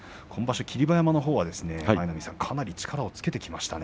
霧馬山のほうは今場所かなり力をつけてきましたね。